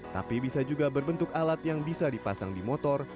tapi bisa juga berbentuk alat yang bisa dipasang di motor